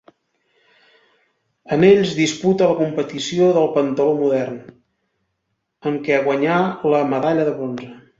En ells disputa la competició del pentatló modern, en què guanyà la medalla de bronze.